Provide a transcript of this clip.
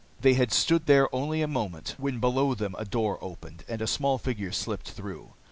They had stood there only a moment when below them a door opened, and a small figure slipped through.